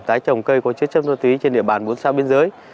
tái trồng cây có chứa chấp ma túy trên địa bàn bốn xã biên giới